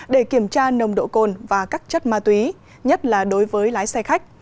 để kiểm tra nồng độ cồn và các chất ma túy nhất là đối với lái xe khách